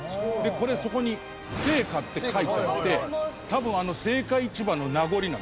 これそこに「青果」って書いてあって多分あの青果市場の名残なんですよ。